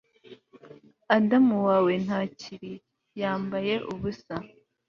Adamu wawe ntakiri yambaye ubusa